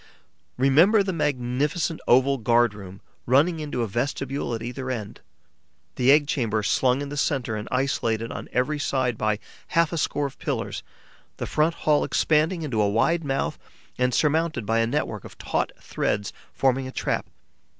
Remember the magnificent oval guard room, running into a vestibule at either end; the egg chamber slung in the centre and isolated on every side by half a score of pillars; the front hall expanding into a wide mouth and surmounted by a network of taut threads forming a trap.